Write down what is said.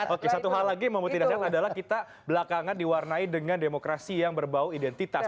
oke satu hal lagi yang membuat tidak sehat adalah kita belakangan diwarnai dengan demokrasi yang berbau identitas